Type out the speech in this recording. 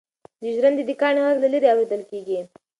د ژرندې د کاڼي غږ له لیرې اورېدل کېږي.